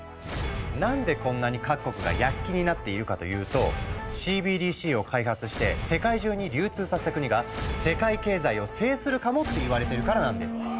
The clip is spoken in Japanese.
何でこんなに各国が躍起になっているかというとＣＢＤＣを開発して世界中に流通させた国が世界経済を制するかもっていわれてるからなんです。